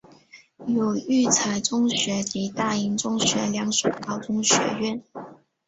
有育才中学及大英中学两所高中学院。